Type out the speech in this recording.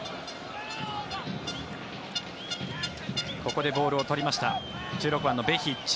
ここでボールを取りました。